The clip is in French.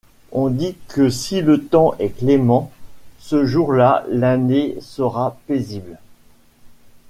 On dit que si le temps est clément ce jour-là l’année sera paisible.